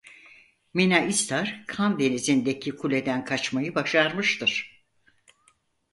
Mina İstar Kan Denizindeki kuleden kaçmayı başarmıştır.